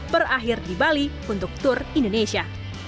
berakhir di bali untuk tour indonesia